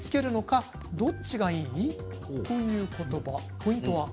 ポイントは。